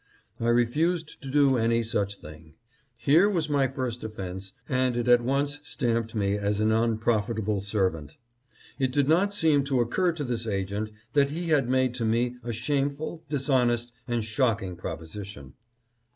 I refused to do any such thing. Here was my first offense, and it at once stamped me as an unprofitable servant. It did not 748 A DISHONEST PROPOSITION. seem to occur to this agent that he had made to me a shameful, dishonest and shocking proposition.